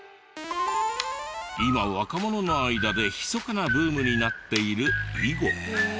今若者の間でひそかなブームになっている囲碁。